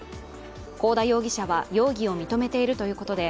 幸田容疑者は容疑を認めているということで